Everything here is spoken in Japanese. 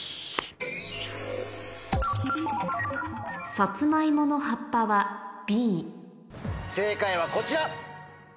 サツマイモの葉っぱはＢ正解はこちら！